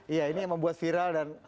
iya ini yang membuat viral dan